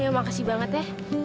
ya makasih banget ya